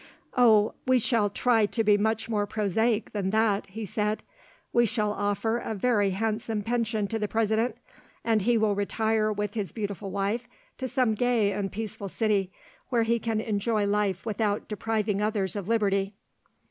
"Oh, we shall try to be much more prosaic than that," he said. "We shall offer a very handsome pension to the President, and he will retire with his beautiful wife to some gay and peaceful city, where he can enjoy life without depriving others of liberty."